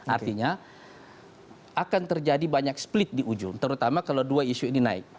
artinya akan terjadi banyak split di ujung terutama kalau dua isu ini naik